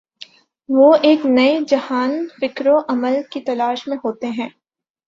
وہ ایک نئے جہان فکر و عمل کی تلاش میں ہوتے ہیں۔